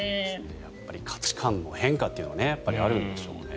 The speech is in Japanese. やっぱり価値観の変化というのはあるんでしょうね。